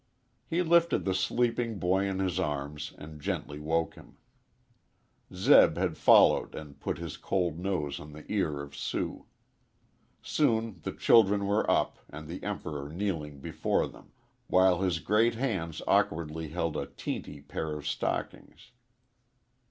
He lifted the sleeping boy in his arms and gently woke him. Zeb had followed and put his cold nose on the ear of Sue. Soon the children were up and the Emperor kneeling before them, while his great hands awkwardly held a "teenty" pair of stockings.